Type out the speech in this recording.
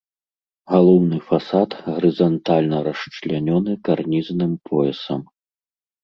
Галоўны фасад гарызантальна расчлянёны карнізным поясам.